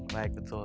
baik baik betul